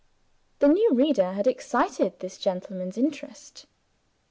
The new reader had excited this gentleman's interest.